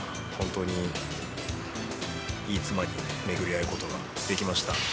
本当にいい妻に巡り合えることができました。